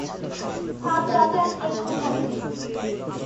আজ রাতে আপনি এখানে থাকবেন।